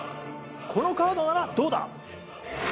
このカードならどうだ！